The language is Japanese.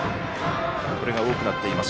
これが多くなっています。